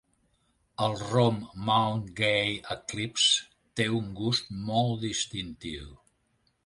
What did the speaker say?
El rom Mount Gay Eclipse té un gust molt distintiu.